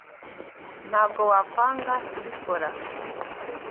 Ntabwo wakwanga kubikora?